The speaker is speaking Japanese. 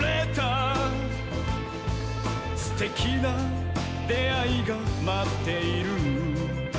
「すてきなであいがまっている」